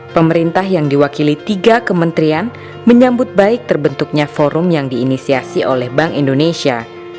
pemerintah yang diwakili tiga kementerian menyambut baik terbentuknya forum yang diinisiasi oleh bank indonesia